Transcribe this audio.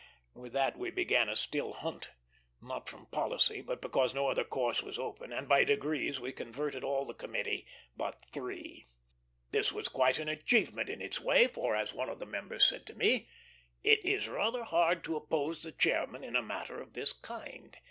With that we began a still hunt; not from policy, but because no other course was open, and by degrees we converted all the committee but three. This was quite an achievement in its way; for, as one of the members said to me, "It is rather hard to oppose the chairman in a matter of this kind.